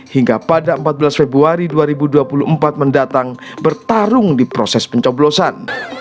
hingga pada empat belas februari dua ribu dua puluh empat mendatang bertarung di proses pencoblosan